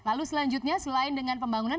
lalu selanjutnya selain dengan pembangunan